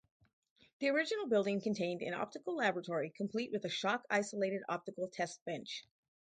The original building contained an optical laboratory complete with a shock-isolated optical test bench.